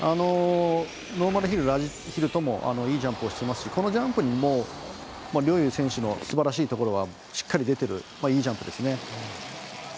ノーマルヒルラージヒルともいいジャンプをしてますしこのジャンプにも陵侑選手のすばらしいところがしっかり出ているいいジャンプですね。